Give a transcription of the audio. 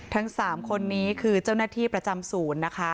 ทั้ง๓คนนี้คือเจ้าหน้าที่ประจำศูนย์นะคะ